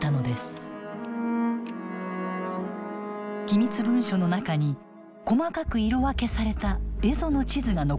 機密文書の中に細かく色分けされた蝦夷の地図が残されていました。